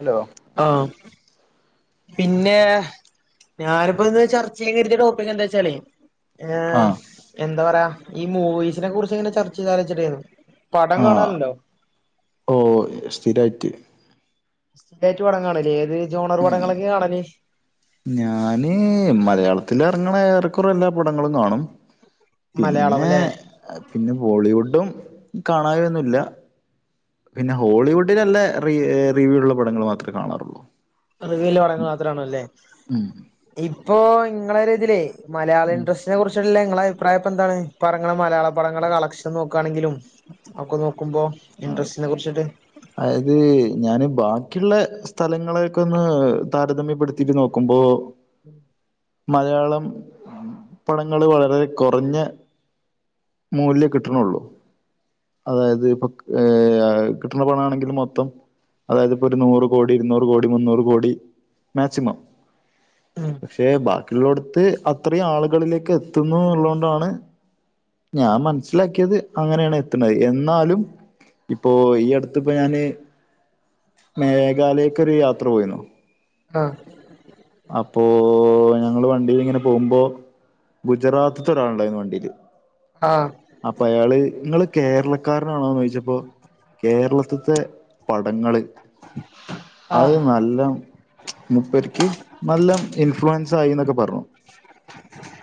Hello ആ പിന്നെ, ഞാനിപ്പോ ഇന്ന് ചർച്ച ചെയ്യാൻ കരുതിയ ടോപ്പിക് എന്താച്ചാലേ ഏ ആഹ് എന്താ പറയാ, ഈ മൂവിീസിനെ കുറിച്ച് എങ്ങനെ ചർച്ച ചെയ്താല വെച്ചിട്ടായിരുന്നു ആ ഓ സ്ഥിരായിട്ട് സ്ഥിരായിട്ട് പടം കാണല്ലേ ഏത് ജോണർ ഉം പടങ്ങളൊക്കെ കാണല്? ഞാന് മലയാളത്തിൽ ഇറങ്ങണ ഏറെക്കുറെ എല്ലാ പടങ്ങളും കാണും മലയാളം പിന്നെ അല്ലെ പിന്നെ ബോളിവുഡും കാണാവ യൊന്നുംല്ല പിന്നെ ഹോളിവുഡിൽ നല്ല റി റിവ്യൂ ഉള്ള പടങ്ങൾ മാത്രമേ കാണാറുള്ളൂ. റിവ്യുള്ള പടങ്ങള് മാത്രേ കാണൂല്ലേ? ഉം ഇപ്പൊ ഇങ്ങളെര് ഇതിലേ മലയാള ഇൻഡസ്ട്രിനെ കുറിച്ചുള്ള ങ്ങളെ അഭിപ്രായ ഇപ്പോ എന്താണ്? ഇപ്പറങ്ങണ മലയാള പടങ്ങളുടെ കളക്ഷൻ നോക്കുകാണെങ്കിലും ഒക്കെ നോക്കുമ്പോ ഇൻഡസ്ട്രിനെ കുറിച്ചിട്ട് അതത് ഞാന് ബാക്കിയുള്ള സ്ഥലങ്ങളെയൊക്കെ ഒന്ന് താരതമ്യപ്പെടുത്തിീട്ട് നോക്കുമ്പോ മലയാളം പടങ്ങള് വളരെ കൊറഞ്ഞ മൂല്യം കിട്ടണള്ളൂ, അതായത് ഇപ്പൊ ഏ [inaudible] പണ ആണെങ്കില് മൊത്തം അതായത് ഇപ്പോൊ ഒരു നൂറ് കോടി ഇരുന്നൂറ് കോടി മുന്നൂറ് കോടി മാക്സിമം ഉം പക്ഷേ ബാ മറ്റുള്ളോടുത്ത് അത്രയും ആളുകളിലേക്ക് എത്തുന്നു എന്നള്ളതുകൊണ്ടാണ് ഞാൻ മനസ്സിലാക്കിയത് അങ്ങനെയാണ് എത്തണത്, എന്നാലും ഇപ്പൊ ഈ അടുത്ത്പ്പൊ ഞാന് മേഘാലയ്ക്ക് ഒരു യാത്ര പോയിരുന്നു ആ അപ്പോ ഞങ്ങള് വണ്ടീലിങ്ങനെ പോകുമ്പോ ഗുജറാത്ത്ത്തെ ഒരാള്ണ്ടായിന്ന് വണ്ടിയില് ആഹ് അപ്പൊ അയാള് ങ്ങള് കേരളക്കാരനാണോന്ന് ചോദിച്ചപ്പോൾ കേരളത്തിത്തെ പടങ്ങള് അത് ആഹ് നല്ല [unintelligible] മുപ്പരിക്ക് നല്ല ഇൻഫ്ലുവൻ സായിന്നൊക്കെ പറഞ്ഞു.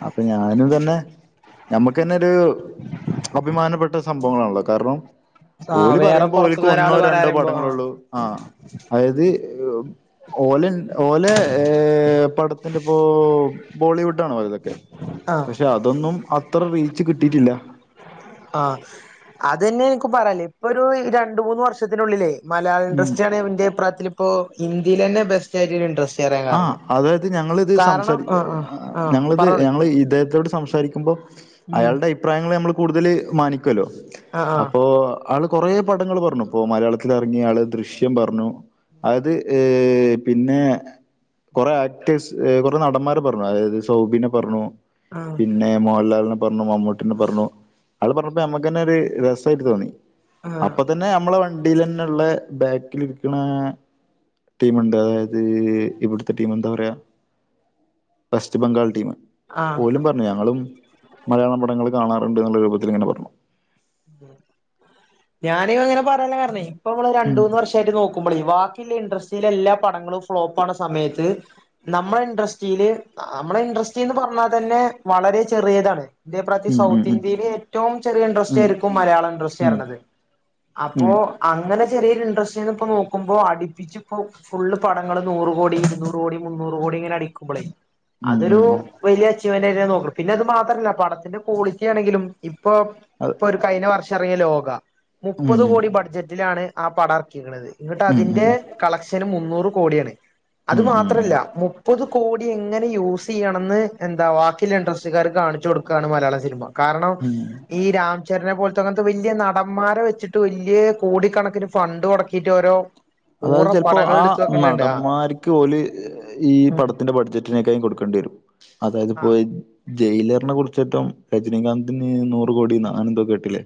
അപ്പൊ ഞാനും ഇതന്നെ, നമ്മുക്ക് തന്നെ ഒരു അഭിമാനപ്പെട്ട സംഭവങ്ങളാണല്ലോ, കാരണം ആഹ് ഓലി വേറെ പറയുമ്പോ ഓലക്ക് പൊറത്തുന്ന് ഒന്നോ ഒരാള് പറയാ രണ്ടോ പറയുമ്പോ ആഹ് പടങ്ങളള്ളൂ ആ ആയത് ഓല ഓലെ പടത്തിന്റെ ഇപ്പോ ബോളിവുഡ് ആണോ ഇതൊക്കെ? ആഹ് പക്ഷെ അതൊന്നും അത്ര റീച്ച് കിട്ടിയിട്ടില്ല ആ അതന്നെ എനിക്ക് പറയല്ലേ ഇപ്പൊ ഒരു രണ്ട് മൂന്ന് വർഷത്തിനുള്ളിലേ മലയാള ഉം ഇൻഡസ്ട്രിയാണെന്റെ അഭിപ്രായത്തിലിപ്പോ ഇന്ത്യലെന്നെ ബെസ്റ്റയിട്ടൊരു ഇൻഡസ്‌ട്രി ആ അതായത് ഞങ്ങളിത് സംസാരിച്ച ആഹ് ആഹ് ആഹ് ഞങ്ങളിത് പറഞ്ഞോളി ഞങ്ങള് ഇദ്ദേഹത്തോട് സംസാരിക്കുമ്പൊ ഉം അയാളുടെ അയിപ്രായങ്ങള് ഞമ്മള് കൂടുതല് മാനിക്കുവല്ലോ, ആഹ് അപ്പോ ആള് കൊറേ പടങ്ങള് പറഞ്ഞു, ഇപ്പോ മലയാളത്തിലിറങ്ങിയ ആള് ദൃശ്യം പറഞ്ഞു, ആയത് ഹ് ഹ് പിന്നെ കൊറെ ആക്ടേഴ്സ് കൊറെ നടന്മാരെ പറഞ്ഞു, അതായത് സൗബിനെ പറഞ്ഞു ആഹ് പിന്നെ മോഹൻലാലിനെ പറഞ്ഞു, മമ്മൂട്ടിനെ പറഞ്ഞു. ആള് പറഞ്ഞപ്പോ ഞമ്മക്കന്നെ ഒരു രസായിട്ട് തോന്നി. ആഹ് ആഹ് അപ്പത്തന്നെ നമ്മളെ വ ണ്ടീല് തന്നെള്ള ബാക്കിലിരിക്കണ ടീമുണ്ട്, അതായത് ഇവിടുത്തെ ടീം എന്താ പറയാ, വെസ്റ്റ് ബംഗാൾ ടീം ഓലും ആഹ് പറഞ്ഞു ഞങ്ങളും മലയാള പടങ്ങള് കാണാറുണ്ട് എന്നുള്ള രൂപത്തിൽ ങ്ങനെ പറഞ്ഞു. ഞാന് അങ്ങനെ പറയാന്ള്ള കരണെ ഇപ്പൊ നമ്മള് ഉം രണ്ടൂന്ന് വർഷയിട്ട് നോക്കുമ്പളെ ഇണ്ടർസ്റ്റീൽ എല്ലാ പണങ്ങളും ഫ്ലോപ്പാണ സമയത്ത് നമ്മളെ ഇണ്ടർസ്റ്റിൽ അമ്മളെ [unintelligible] വളരെ ചെറിയതാണ് ഇന്റെ അബിപ്രയത്തില് ഉം സൗത്ത് ഉം ഇന്ത്യയില് ഏറ്റവും ചെറിയ ഇൻട്രസ്റ്റ് ഉം [inaudible] മലയാള ഉം ഉം ഇൻഡസ്ട്രിയിരുന്നല്ല്, അപ്പോ ഉം അങ്ങനെ ചെറിയൊരു ഇൻഡസ്ട്രിന്നിപ്പൊ നോക്കുമ്പോ അടിപ്പിച്ചിപ്പൊ ഫുളള് പടങ്ങള് നൂറ് കോടി, ഇരുന്നൂറ് കോടി, മുന്നൂറ് കോടി [unintelligible] ഇങ്ങനടിക്കുമ്പൊളെ ഉം ഉം അതൊരു ഉം വലിയ [unintelligible] പിന്നെ അത് മാത്രല്ല പണത്തിന്റ കോളിറ്റി ആണെങ്കിലും ഇപ്പൊ അത് ഒരു കഴിഞ്ഞ പ്പം റങ്ങിയ ലോക ഉം മുപ്പത് കോടി ബഡ്ജറ്റിലാണ് ആ പടഅർക്കിക്ണത് ഇങ്ങട്ട് ഉം ഉം അതിന്റെ ഉം ക മുന്നൂറ് കോടിഴാണ് അത് ഉം ഉം മാത്രംല്ല കൂടി എങ്ങനെ യൂസ്യ്യണന്ന് എന്താ ബാക്കിള്ള ഇൻട്രസ്റ്റിക്കാർക്ക് കാണിച്ചു കൊടുക്കാണ് മലയാള സിനിമ കാരണം ഉം ഈ രാ ചരനെ പോൽത്തെ അങ്ങൻത്തെ വല്ല്യാ നടന്മാരെ വെച്ചിട്ട് വെല്ല്യാ കേടിക്കണക്കിന് ഫണ്ട് മുടക്കിയിട്ട് ഓരോ ഊറ അതായത് ചിലപ്പോ പടങ്ങൾ ആ എടുത്ത് വെക്കണണ്ട് ആ നടന്മാർക്ക് ഓല് ഈ പടത്തിന്റെ ബഡ്ജറ്റിനേക്കാളും കൊടുക്കേണ്ടി വരും അതായത് ആ പോ ജയില്ന്ന് പർഞാ കുട്ചെറ്റം രജനകാന്തിന് നൂറ് കോടിന്ന് അങ്ങനെന്തേകേട്ടില്ലേ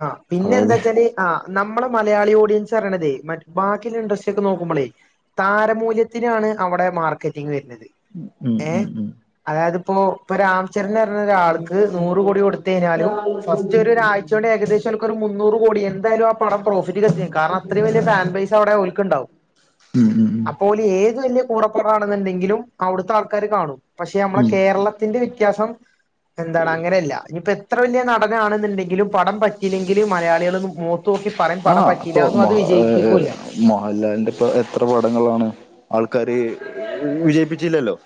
ആ പിന്നെ ന്താ വെച്ചാല് ആ നമ്മള് മലയാളിയോട് [unintelligible] ബാക്കിയ്ള്ള ഇഡസ്ട്രിക്കെ നോക്കുമ്പളെ താരമൂല്യത്തിനാണ് അവിടെ മാർക്കറ്റിങ് വര് നത് ഉം ഏ ഉം ഉം അതായത്പ്പോ [unintelligible] നൂറ് കോടി കൊടുത്ത് കഴിഞാലും ഫസ്റ്റൊരു ചൂടെ ഏകദേശം അൻക്ക് ഒരു മുന്നൂറ് കോടി എന്താഴാലും ആ പടം പ്ര [unintelligible] കാരണം അത്രയും വലിയ ഫാൻ പൈസ് അവിടെ ഓൽക്ക്ണ്ടാവും ഉം ഉം ഉം അപ്പോൾ ഏത് വലിയ കൂടെപ്പാടാണെന്ന്ണ്ടെങ്കിലും അവിടുത്തെ ആൾക്കാര് കാണും പക്ഷെ നമ്മളെ ഉം കേരളത്തിന്റെ വ്യത്യാസം എന്താടാ അങ്ങനെ അല്ല ഇനിയിപ്പോ എത്ര വല്ല്യാ നടനാണ്ന്ന്ണ്ടെങ്കിലും പടം പറ്റിയിലങ്കില് മലയാളികളോന്നും മോ ആ അപ്പൊ മഹ മോഹൻലാലിന്റെ ഇപ്പ എത്ര പടങ്ങളാണ് ആൾക്കാര് വിജയിപ്പിച്ചില്ലല്ലോ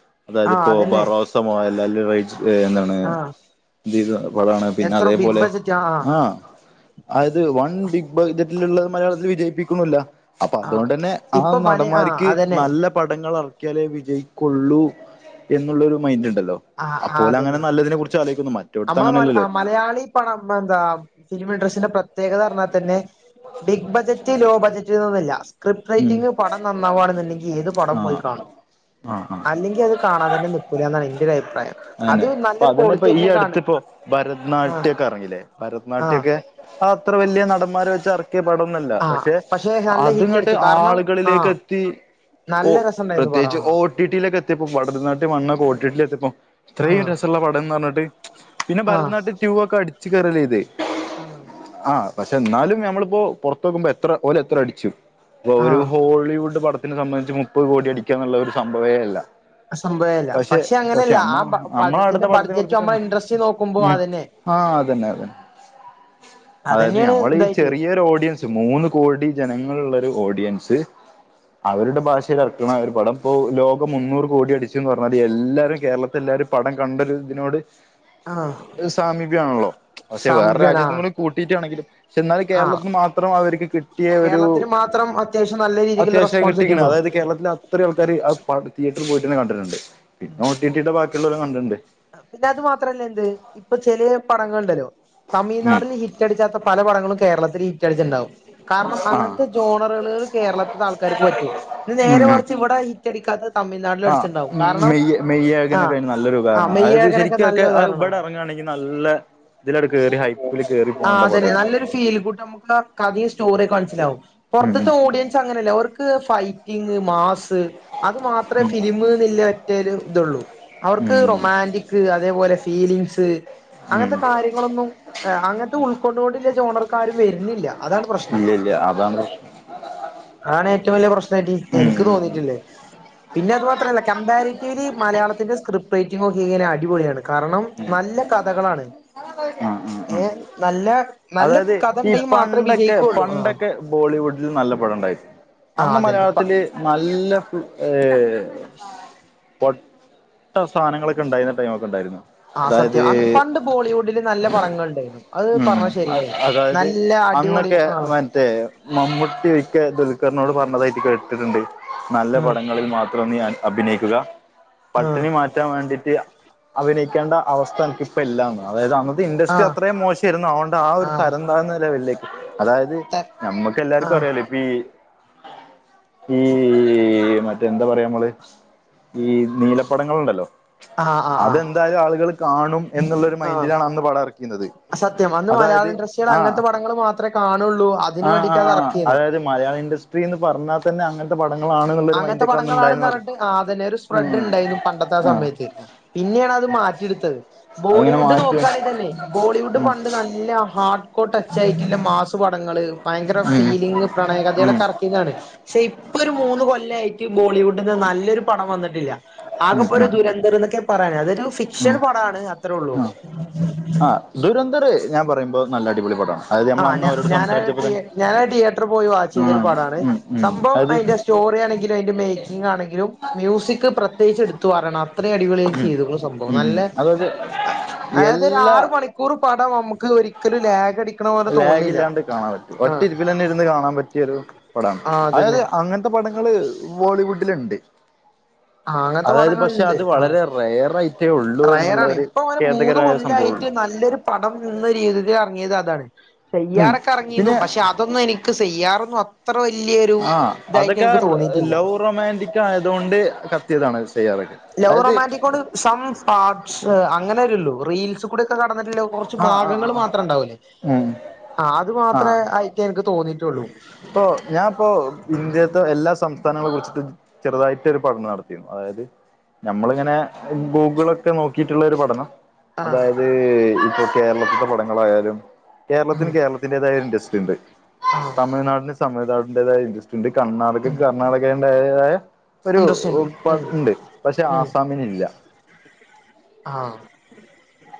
ആഹ് അതായത്പ്പോ അതന്നെ ബറോസൊ മോഹലാലിന് [unintelligible] എന്താണ് ആഹ് [unintelligible] പിന്നെ എത്ര അതേ ബിഗ് പോലെ ബജറ്റ് ആ അത് വൺവിഗ് [unintelligible] മലയാളത്തില് വിജയിപ്പിക്ക്ണുല്ല അപ്പ ആ അതോണ്ടന്നെ ആ ഇപ്പൊ മല ആ നടന്മാർക്ക് അതന്നെ നല്ല പടങ്ങൾ എർക്കിയാലേ വിജയിക്കൊള്ളൂ എന്നുള്ളോരു മൈന്റ് ണ്ടല്ലോ ആ ആ അതന്നെ മറ്റോടത്ത് നമ്മളെ മലയാള അങ്ങനെയല്ലല്ലോ മലയാളി പണം എന്താ ഫിലിമ് [unintelligible] പ്രത്യേകത പറഞ്ഞാ തന്നെ ബിഗ് ബജറ്റ് ലോ ബജറ്റ് എന്നോന്നും ഇല്ല ഉം ക്രിപ്റൈറ്റിംഗ് പടം നന്നാവാണെന്നുണ്ടെങ്കി ഏത് പടം പോയി ആഹ് കാണും ആഹ് ആഹ് അല്ലെങ്കി അത് കാണാൻ തന്നെ നികൂലന്നാണ് എന്റെ ഒരു അ അഹ്നെ അതന്നെ പ്പൊ ഈ കാണ് അടുത്ത്പ്പോ ആ ഭരതനാട്യൊക്കെ എറങ്ങില്ലേ ആ ഭരത്നാട്യംക്കെ അ അത്ര വലിയ നടന്മാരെ വെച്ച് എർക്കിയ പടോന്നോല്ല ആ പക്ഷെ നല്ല ഹിറ്റ് അത്ങ്ങട്ട് അടിച്ചു കാരണം ആ ആള്കളിലേക്ക് എത്തി നല്ല രസണ്ടായിരുന്നു പടം പ്രത്യേകിച്ച് കാണാൻ ഓടിടിലൊക്കെ എത്തിപ്പോ വരത്ന ആ [unintelligible] പർഞ്ട്ട് പിന്നെ ആ ഭരതനാട്യ റ്റുക്കെ അടിച്ചു ആ [unintelligible] പക്ഷെ ന്നാലും ഞമ്മള്പ്പോ പോർത്ത് പോകുബ എത്ര ഓലെ എത്ര അടിച്ചു ഇപ്പൊ ആ ഒരു ഹോളിവുഡ് പട [unintelligible] സംബന്ധിച്ച് മുപ്പത് കോടി അടിക്കാ എന്നുള്ള ഒരു സംഭവേ അല്ല സംഭവേല്ല പക്ഷെ പക്ഷെ അങ്ങനെയല്ല അമ്മ ആ അമ്മളെ പടത്തിന്റെ നാട്ടിത്തെ പടത്തിന് ബഡ്ജറ്റ് നമ്മളെ ഇൻട്രസ്റ്റ് വിളിച്ചി നോക്കുമ്പോ [unintelligible] അതന്നെ ആ അതന്നെ അതന്നെ അതായത് അതന്നെയാണ് ഞമ്മള് ഈ ഇതായിട്ട് ചെറിയൊരു ഓഡിയൻസ് മൂന്ന് കോടി ജനങ്ങള്ള്ളൊരു ഓഡിയൻസ് അവരുടെ ഭാഷയിൽ ഇറക്കണ അവ അവരുടെ ഭഷേല് [unintelligible] ഇപ്പോ ലോകം മുന്നൂറ് കോടി അടിച്ന്ന് പറഞ്ഞാലും എല്ലാരും കേരളത്തിലെ [unintelligible] പടം കണ്ടോരു ഇതിനോട് ആ സാമീപ്യണല്ലോ പക്ഷെ വേറെ സംഭ്യണ രാജ്യത്തും കൂടി കൂട്ടിയിട്ടാണെങ്കിലും പക്ഷെ എന്നാലും ആ കേരളത്തിൽ മാത്രം അവർക്ക് കിട്ടിയ ഒരു കേരളത്തിന് മാത്രം അത്യാവശ്യം നല്ല രീതിക്കുള്ള അത്യാവശ്യയി റെസ്പോൺസ് കിട്ടിക്ണ് അതായത് കിട്ടിക്ക്ണു കേരളത്തിലെ അത്രയും ആൾക്കാര് ആ തിയേറ്ററി പോയിട്ടന്നെ കണ്ടിട്ടുണ്ട് ഉ പിന്നെ ഒ ടി ടിയുടെ ബാക്കിയുള്ളവരും കണ്ടിട്ടുണ്ട് പിന്നെ അത് മാത്രല്ല എന്ത് ഇപ്പൊ ചെലേ പടങ്ങൾ ണ്ടല്ലോ ഉം തമിഴ്നാടിന് ഹിറ്റടിച്ചാത്ത പല പടങ്ങളും കേരളത്തില് ഹിറ്റടിച്ച്ണ്ടാവും കാരണം ആഹ് അങ്ങൻത്തെ ജോണറുകൾ കേരളത്തിലെ ആൾക്കാർക്ക് പറ്റൂ ഇത് ഉം നേരെ ഉം മറിച്ച് ഇവടെ റ്റടിക്കാ തിഴ്നാട്ടിലും ആഹ് അടിച്ണ്ടാവും കാരണം [unintelligible] ആഹ് നല്ലൊരു ഉപകരണ ആഹ് അത് മെയ്ഴകനൊക്കെ നല്ല ശെരിക്കൊക്കെ ആ ഉദാഹരണാ ഇവിടെ എറങ്ങാണെങ്കിൽ നല്ലെ ആ അതെന്നെ പടായിരുന്നു നല്ലൊരു [unintelligible] കഥ സ്റ്റോറിക്കെ മനസ്സിലാവും ഉം പൊറത്ത്ത്തെ ഓടിയൻസ് അങ്ങനെല്ല ഓർ ക്ക് ഫൈറ്റിങ് മാസ് അത് മാത്രേ ഉം ഫിലിമ് ന്ന്ല്ലെ ഒറ്റൊരു ഇതൊള്ളൂ അവർക്ക് ഉം റൊമാന്റിക് അതേപോലെ ഫീലിങ്സ് ഉം അങ്ങൻത്തെ കാര്യങ്ങളൊന്നും എ അങ്ങൻത്തെ ഉൾക്കൊണ്ടോണ്ട്ല്ലെ ജോണർക്കാരും വെര്ന്നില്ല ഇല്ല ഇല്ല അതാണ് പ്രശ്നം ആണ് ഏറ്റവും വല്യ പ്രശ്നായിട്ട് ഉം ഇൻക്ക് ഉം ഉം തോന്നീട്ടില്ലത് പിന്നെ അത് മാത്രല്ല കമ്പാരിറ്റിവിലി മലയാത്തിന്റെ സ്ക്രിപ്റ്റ് റയ്റ്റിംങൊക്കെ ഇങ്ങനെ അടിപൊളിയാണ് കാരണം നല്ല കഥകളാണ് ആഹ് ആഹ് ഏ ആഹ് നല്ല നല്ല അതായത് കഥ ഈ ണ്ട് പണ്ടൊക്കെ പണ്ടൊക്കെ ബോളിവുഡിൽ നല്ല പടം ണ്ടായി ആ അന്ന് അതന്നെ പ മലയാളത്തില് നല്ല ഫ ഏ പൊട്ട സാധനങ്ങളൊക്കെ ണ്ടായിരുന്ന ടൈമൊക്കെണ്ടായിരുന്നു ആ സത്യം പണ്ട് ബോളിവുഡില് നല്ല പടങ്ങൾ ണ്ടേര്ന്നു ഉം അതായത് അടിപൊളി അന്നൊക്കെ ആ മറ്റേ മമ്മൂട്ടി മിക്ക ദുൽക്കറിനോട് പറഞ്ഞതായിട്ട് കേട്ടിട്ടുണ്ട് നല്ല ആ പടങ്ങളിൽ മാത്രം നീ അഭിനയിക്ക ആ പട്ടിണി മാറ്റാൻ വാണ്ടിട്ട് അഭിനയിക്കേണ്ട അവസ്ഥ അനക്ക് പ്പല്ല അതായത് അന്ന് ആ ഇൻഡസ്റ്റ് അത്രയും മോശേരുന്നു അതോണ്ട് ആ ഒരു തരം താഴ്ന്ന ലെവലി അതായത് ത ആ നമ്മക്കെല്ലാർക്കും അറിയ ല്ലോ ഇപ്പീ ഈ മറ്റേ എന്താ പറയാ നമ്മള് ഈ നീലപ്പടങ്ങള്ണ്ടല്ലോ ആ ആ ആ അതെന്തായാലും ആളുകൾ കാണും എന്ന്ള്ളൊരു മൈൻഡിലാണ് ആ അന്ന് പടം എർക്കീന്നത് സത്യം അന്ന് അതായത് മലയാളം ഇൻഡസ്ട്രിയിൽ ആ അങ്ങനത്തെ പടങ്ങൾ മാത്രമേ കാണുള്ളൂ അതിന് ആ ആ വേണ്ടിട്ടാ അത് ആ ഇറക്കിയത് അതായത് മലയാളം ഇൻഡസ്ട്രിന്ന് പറഞ്ഞാൽ തന്നെ അങ്ങൻത്തെ അങ്ങൻത്തെ പടങ്ങളാണ് ന്ന് പറഞ്ട്ട് ആ അതെന്നെ ഒരു ഉം സ്പ്രെഡ് ണ്ടേരുന്നു പണ്ടത്തെ ആ ആഹ് സമയത്ത് പിന്നിം അത് മാറ്റിടുത്തത് അതിങ്ങനെ ബോളിവുഡ് മാറ്റി നോക്കാണെങ്കി തന്നെ ഉം ബോളിവുഡ് പ ണ്ട് നല്ല ഹാർഡ്കോ ടച്ച് ആയിട്ടില്ല മാസ് പടങ്ങള് ഭയങ്കര ഉം ഫീലിങ് ഉം പ്രണയകഥകളൊക്കെ എറക്കിന്നവടെ ക്ഷെ ഇപ്പൊരു മൂന്ന് കൊല്ലായിട്ട് ബോളിവുഡിന്ന് നല്ലൊരു പടം വന്നിട്ടില്ല ഉം ആകപ്പോ ഒരു ഉം ദുരന്തം ന്നൊക്കെ പറയണെ അത് ഒരു ഫിക്ഷൻ ഉം പടാണ് അത്രേള്ളു ആഹ് ആഹ് ദുരന്തർ ഞാൻ പറയുമ്പോ നല്ല അടിപൊളി പടമാണ് അതായത് ആ നമ്മൾ അന്ന് ഞാ അവരോട് ഞാനത് സംസാരിച്ചപ്പോ ടിയേ തന്നെ ഞാനത് ടിയേറ്ററിൽ പോയി വാച്ചെയ്തൊരു ഉം പടാണ് ഉം ഉം സംഭവം അത് അയ്ന്റെ സ്റ്റോ റി ആണെങ്കിലും അയ്ന്റെ മേക്കിങ്ങാണെങ്കിലും മ്യൂസിക് പ്രത്യേകിച്ച് ഇട്ത്ത് പറയണം അത്രേം അടിപൊളിയായി ഉം ചെയ്ത്ക്ക്ണു സംഭവം ഉം ഉം നല്ലെ അതായത് അതായത് ഒരു എല്ലാ ആറ് മണിക്കൂർ പടം നമുക്ക് ഒരിക്കലും ലേഖട ലേഗില്ലാണ്ട് കാണാൻ പറ്റും ഒറ്റ ഇരിപ്പിൽ തന്നെ ഇരുന്ന് കാണാൻ പറ്റിയൊരു പടാണ് ആഹ് അതായത് അതന്നെ അങ്ങൻത്തെ പട അത് ബോളിവുഡില് ണ്ട് ആഹ് അങ്ങനത്തെ അതായത് പക്ഷേ പടങ്ങളുണ്ട് അത് ആഹ് വളരെ റെയറായിട്ടേ ഉള്ളൂ എന്നുള്ളൊരു ഖേദകരമായ സം യിട്ട് നല്ലൊരു പടം എന്ന രീതിയിൽ എറങ്ങിയതാ താണ് ഉം സെയ്യാറൊക്കെ എറങ്ങീന്നു പിന്നെ പക്ഷെ അതൊന്നും എനിക്ക് സെയ്യാറൊന്നും അ അത്ര വല്യൊരു ആ അതൊക്കെ ഇതായിട്ടിന്ക്ക് തോന്നിട്ടില്ല ലവ് റൊമാൻറിക് ആയതുകൊണ്ട് കത്തിയതാണ് ചെയ്യാറൊക്കെ ലൗ അതായത് റൊമാന്റിക് കൊണ്ട് സം പാട്സ് അങ്ങനെ വരൂള്ളൂ റീൽസികൂടൊക്കെ കാ വന്ന്ട്ട് ള്ളെ കൊർച്ച് ആ ആ ഭാഗങ്ങള് ആ മാത്രം ണ്ടാവൂല്ലേ ഉം ആ അത് മാത്രെ ആയിട്ടേ ഇൻക്ക് തോന്നിട്ടൊള്ളൂ ഇപ്പൊ ഞാപ്പോ ഇന്ത്യ ത്തും എല്ലാ സംസ്ഥാനങ്ങളെ കുറിച്ചിട്ടും ചെറുതായിട്ട് ഒരു പഠനം നടത്തിരുന്നു അതായത് ഞമ്മളിങ്ങനെ ഗൂഗിളൊക്കെ നോക്കിട്ടുള്ള ഒരു പഠനം ആഹ് അതായത് ഇപ്പൊ കേരളത്തിലത്തെ പടങ്ങളായാലും കേരളത്തിന് ഉം കേരളത്തിന്റേതായ ഇൻട്രസ് യുണ്ട് ആഹ് തമിഴ്നാടിന് തമിഴ്നാടിന്റേതായ ഇൻറസ്റ്റ് ണ്ട് ഉം കർണാടകയ്ക്ക് കർണാടകന്റേതായ ഒരു ഇൻട്രസ്റ്റ് ഉണ്ട് ഉം [unintelligible] ണ്ട് പക്ഷെ ആസാമിനില്ല ആ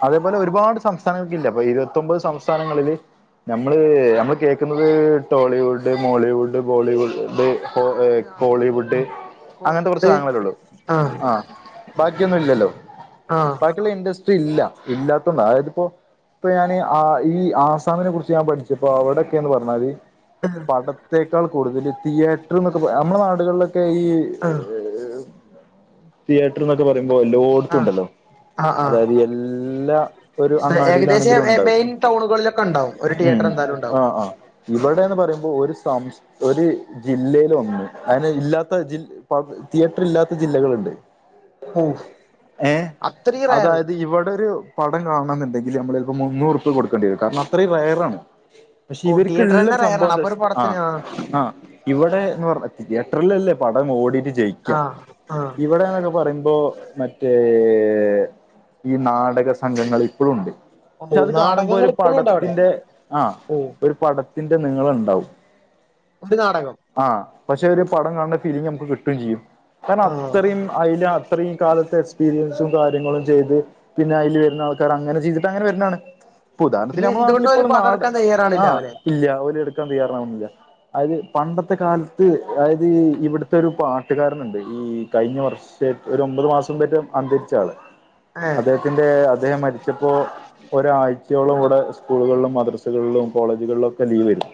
അതേപോലെ ഒരുപാട് സംസ്ഥാനങ്ങൾക്ക് ഇല്ല ഇപ്പൊ ഇരുപത്തൊമ്പത് സംസ്ഥാനങ്ങളില് ഞമ്മള് ഞമ്മള് കേൾക്കുന്നത് ടോളിവുഡ് മോളിവുഡ് ബോളിവുഡ് കൊ ബോളിവുഡ് ആഹ് കോളിവുഡ് ആഹ് അങ്ങനത്തെ കുറച്ച് കോളിവുഡ് സാധനങ്ങളല്ലേ ഉള്ളൂ ആഹ് ആ ബാക്കിയൊന്നും ഇല്ലല്ലോ ആഹ് ബാക്കിയുള്ള ഇൻഡസ് ഇല്ലാത്തോണ്ടാ ആയതിപ്പോ ഇപ്പൊ ഞാന് ആ ഈ ആസാമിനെ കുറിച്ച് ഞാൻ പഠിച്ചപ്പൊ അവിടൊക്കേന്ന് പറഞ്ഞാല് ആഹ് പടത്തെേക്കാൾ കൂടുതൽ തിയേറ്ററ് എന്നൊക്കെ നമ്മളുടെ നാടുകളിലൊക്കെ ഈ [inaudible] തിയേറ്റർ എന്നൊക്കെ പറയുമ്പോ എല്ലോടുത്തുമുണ്ടല്ലോ ആഹ് ആഹ് അതായത് എല്ലാം ഒരു ഏകദേശം അങ്ങാടിയിലാണെങ്കിലും ഉണ്ടാകും മെയിൻ ടൗണുകളിലൊക്കെ ഉണ്ടാവും ഒരു ഉം തിയേറ്റർ എന്തായാലും ആ ഉണ്ടാവും ആ ഇവടേന്ന് പറയു.. ഒരു സംസ് ഒരുജില്ലേയിൽ ഒന്ന് അതിന് ഇല്ലാത്ത ജി തീയേറ്റർ ഇല്ലാത്ത ജില്ലകളുണ്ട്. ഓ അത്രയും റെയറ് അവിടെ ഒരു പടം കാണണോന്നുണ്ടെങ്കിൽ നമ്മളിപ്പോ മുന്നൂറുപ്പിയ കൊടുക്കേണ്ടി വരും കാരണം അത്രയും റെയറാണ് പക്ഷെ ഓ തിയേറ്റർ തന്നെ ഇവരുക്കുള്ളൊരു സംഭവം റയറാണ് എന്താ അപ്പൊ വച്ച ഒരു ആ പടത്തിന് ആഹ് ആ ഇവിടെ എന്ന് പറഞ്ഞ തിയറ്ററിലല്ലേ പടം ഓടീട്ട് ജയിക്കാം ആഹ് ആഹ് ഇവിടേന്നൊക്കെ പറയുമ്പോ മറ്റേ ഏ ഈ നാടക സംഘങ്ങൾ ഇപ്പഴുമുണ്ട് ഓ പക്ഷെ അത് കാണുമ്പോ നാടകങ്ങൾ ഒരു ഇപ്പളും ഉണ്ടോ അവിടെ പടത്തിന്റെ ആ ഓ ഒരു പടത്തിന്റെ നീളമുണ്ടാവും ഒരു നാടകം പക്ഷേ ഒര് പടം കാണുന്ന ഫീലിംഗ് നമുക്ക് കിട്ടുവേം ചെയ്യും കാരണം ആ അത്രയും അതില് അത്രയും കാലത്തെ എക്സ്പീരിയൻസും കാര്യങ്ങളും ചെയ്ത് പിന്നെ അതില് വരുന്ന ആൾക്കാർ അങ്ങനെ ചെയ്തിട്ട് അങ്ങനെ വരുന്നതാണ്. ഇപ്പം ഉദാഹരത്തിന് പിന്നെ നമ്മുടെ നാട്ടിൽ എന്തുകൊണ്ടും ഒരു ഇപ്പൊള്ള പടം നാട് എടുക്കാൻ ആ തയ്യാറാണില്ല അവനെ ഇല്ല അവര് എടുക്കാൻ തയ്യാറാവുന്നില്ല. അത് പണ്ടത്തെ കാലത്ത് അതായത് ഇവിടത്തെ ഒരു പാട്ടുകാരനുണ്ട് ഈ കഴിഞ്ഞ വർഷ ഒര് ഒമ്പത് മാസം [unintelligible] അന്തരിച്ച ആള്. ഏ അദ്ദേഹത്തിന്റെ അദ്ദേഹം മരിച്ചപ്പോ ഒരാഴ്ച ഴ്ച്ചയോളം ഇവിടെ സ്കൂളുകളിലും മദ്രസകളിലും കോളേജുകളിലും ഒക്കെ ലീവ് വരുന്നു.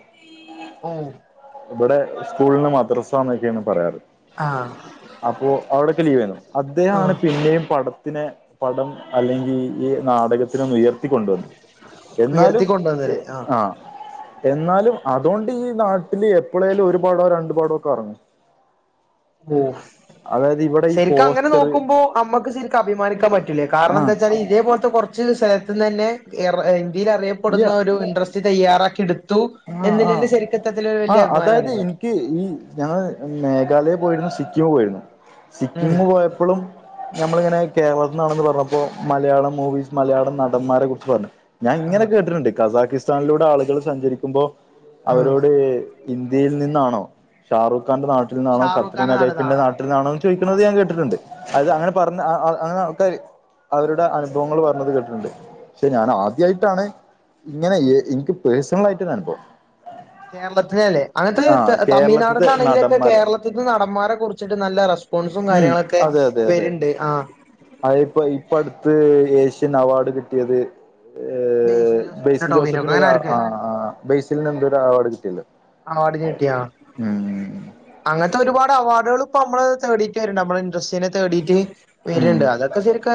ആ ഇവിടെ സ്കൂളിന് മദ്രസ എന്നൊക്കെയാണ് പറയാറ് ആ അപ്പോൾ അവിടൊക്കെ ലീവ് ആരുന്നോ ആ അദ്ദേഹമാണ് പിന്നെയും പടത്തിന് പടം അല്ലെങ്കിൽ ഈ നാടകത്തിനൊന്ന് ഉയർത്തിക്കൊണ്ടുവന്ന് എന്നാലും ആ എന്നാലും അതോണ്ട് ഈ നാ ട്ടില് എപ്പളേലും ഒരു പടോ രണ്ട് പടോ ഒക്കെ ഇറങ്ങും ഓ അതായത് ഇവിടെ ഈ ശരിക്ക അങ്ങനെ പോസ്റ്റർ നോക്കുമ്പോ അമ്മക്ക് ശരിക്കും അഭിമാനിക്കാൻ പറ്റും ആ കാരണംന്താന്ന് വച്ചാൽ കുറച്ച് സ്ഥലത്തന്നെ തന്നെ ഇന്ത്യയിൽ അറിയപ്പെടുന്ന ഒരു ഇൻട്രസ്റ്റ് തയ്യാറാക്കി എടുത്തു എന്നെന്റെ ശരിക്ക ആ അതായത് ഇനിക്ക് ഈ ഞങ്ങൾ മേഘാലയെ പോയിുന്ന- സിക്കിമ പോയിരുന്നു സിക്കിം ഉം പോയപ്പോളും ഞമ്മളിങ്ങനെ കേരളത്തി നിന്നാണെന്ന് പറഞ്ഞപ്പോ മലയാളം മൂവിസ് മലയാളം നടന്മാരെ കുറിച്ച് പറഞ്ഞു. ഞാൻ ഇങ്ങനെ ആ കേട്ടിട്ടുണ്ട് കസാക്കിസ്ഥാനിലൂടെ ആളുകൾ സഞ്ചരിക്കുമ്പോ ആ അവരോട് ഇന്ത്യയിൽ നിന്നാണോ ഷാറൂഖ് [unintelligible] നാട്ടിൽ നിന്നണോ ഷാറൂഖ് കത്രിന ഖാന്റെ നടൻ ആ നൈപ്പിന്റെനാട്ടിൽ നിാണോ ചോദിക്കുന്നത് ഞാൻ കേട്ടിട്ടുണ്ട് അത് ആ അങ്ങനെ പറഞ്ഞ അങ്ങനെ ആൾക്കാർ അവരുടെ അനുഭവങ്ങൾ പറഞ്ഞത് കേട്ടിട്ടുണ്ട് പക്ഷെ ഞാൻ ആദ്യായിട്ടാണ് ഇങ്ങനെ എ ഇൻക്ക് പേഴ്സണൽആയിട്ട് അനുഭവം കേരളത്തിനെ അല്ലേ അങ്ങനത്തെ ആഹ് കേരളത്തിത്തെ തമി്നാട്ന്നാണെങ്കിലൊക്കെ നടന്മാര് കേരളത്തിന്റെ നടന്മാരെ കുറിച്ചിട്ട് നല്ല റെസ്പോൺസും കാര്യങ്ങളൊക്കെ വര്ണ്ട്. ആ അത ഇപ്പ ഇപ്പ അടുത്ത് ഏഷ്യൻ അവാർഡ് കിട്ടിയത് ഏ ബേസിൽ ജോസഫിന്റെ ബൈസിൽ ടോവിനോക്കെ ജോസഫിന്ൊ അങ്ങനെ ആ ആർക്കല്ലേ ബൈസിലിന് എന്ത ഒരു അവാർഡ് കിട്ടില്ലോ അവാർഡിന് കിട്ടിയാ അങ്ങനത്തെ ഒരുപാട് അവാർഡുകൾ പ്പ അമ്മള് തേടിട്ട് വരും നമ്മള് ഇൻട്രസ്റ്റിനെ തേടീട്ട് വര്ണ്ട് ഉം അത് ശരിക്ക്